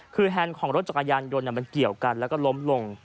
คือแฮนด์ของรถจักรยานยนต์มันเกี่ยวกันแล้วก็ล้มลง